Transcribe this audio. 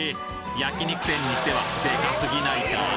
焼肉店にしてはデカすぎないか？